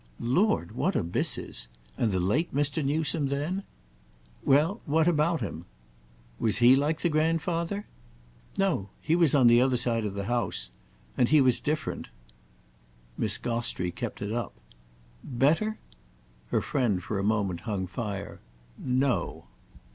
"Lord, what abysses! And the late Mr. Newsome then?" "Well, what about him?" "Was he like the grandfather?" "No—he was on the other side of the house. And he was different." Miss Gostrey kept it up. "Better?" Her friend for a moment hung fire. "No."